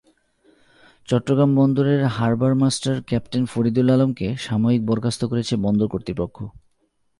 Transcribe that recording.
চট্টগ্রাম বন্দরের harbour master captain Faridul আলমকে সাময়িক বরখাস্ত করেছে বন্দর কর্তৃপক্ষ।